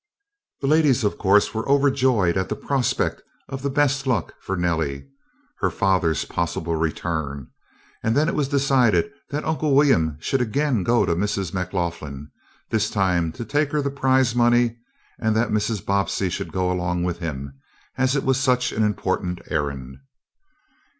The ladies, of course, were overjoyed at the prospect of the best of luck for Nellie her father's possible return, and then it was decided that Uncle William should again go to Mrs. McLaughlin, this time to take her the prize money, and that Mrs. Bobbsey should go along with him, as it was such an important errand.